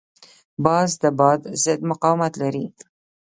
باز د باد ضد مقاومت لري